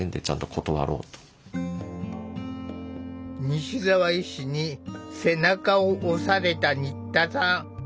西澤医師に背中を押された新田さん。